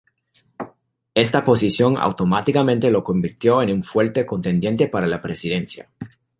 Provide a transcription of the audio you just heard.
Esta posición automáticamente lo convirtió en un fuerte contendiente para la presidencia.